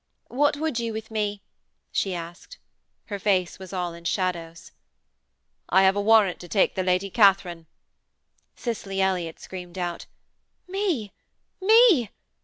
'What would you with me?' she asked. Her face was all in shadows. 'I have a warrant to take the Lady Katharine.' Cicely Elliott screamed out: 'Me! Me!